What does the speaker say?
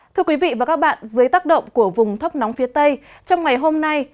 thưa quý vị và các bạn dưới tác động của vùng thấp nóng phía tây trong ngày hôm nay